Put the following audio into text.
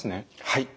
はい。